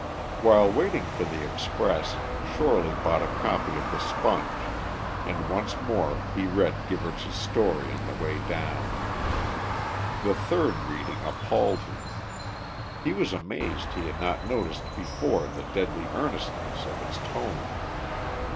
While waiting for the express, Shorely bought a copy of the Sponge, and once more he read Gibberts' story on the way down. The third reading appalled him. He was amazed he had not noticed before the deadly earnestness of its tone.